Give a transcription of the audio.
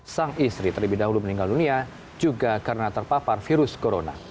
sang istri terlebih dahulu meninggal dunia juga karena terpapar virus corona